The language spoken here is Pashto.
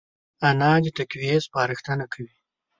انا د تقوی سپارښتنه کوي